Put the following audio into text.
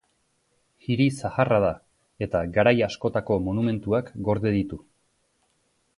Hiri zaharra da, eta garai askotako monumentuak gorde ditu.